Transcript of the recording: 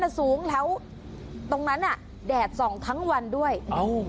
สูงแล้วตรงนั้นอ่ะแดดส่องทั้งวันด้วยอ้าว